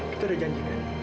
kita udah janjikan